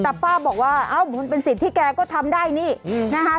แต่ป้าบอกว่าเอ้ามันเป็นสิทธิ์ที่แกก็ทำได้นี่นะคะ